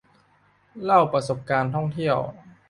เล่าประสบการณ์ท่องเที่ยว